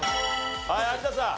はい有田さん。